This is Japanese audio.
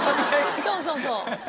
そうそうそう。